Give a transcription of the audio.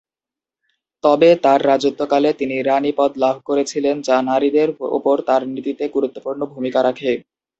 তবে, তার রাজত্বকালে তিনি রাণী পদ লাভ করেছিলেন, যা নারীদের ওপর তার নীতিতে গুরুত্বপূর্ণ ভূমিকা রাখে।